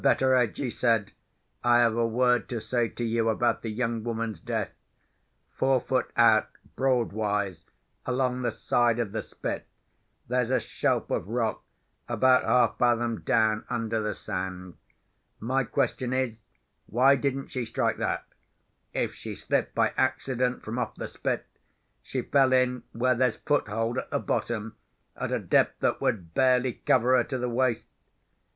Betteredge," he said, "I have a word to say to you about the young woman's death. Four foot out, broadwise, along the side of the Spit, there's a shelf of rock, about half fathom down under the sand. My question is—why didn't she strike that? If she slipped, by accident, from off the Spit, she fell in where there's foothold at the bottom, at a depth that would barely cover her to the waist.